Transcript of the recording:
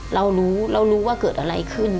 เรารู้เรารู้ว่าเกิดอะไรขึ้น